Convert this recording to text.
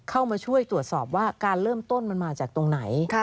เข้ามาช่วยตรวจสอบว่าการเริ่มต้นมันมาจากตรงไหน